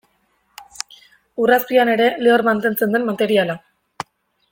Ur azpian ere lehor mantentzen den materiala.